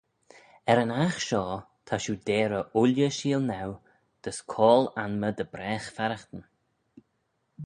Er yn aght shoh ta shiu deyrey ooilley sheelnaue dys coayl-anmey dy bragh farraghtyn.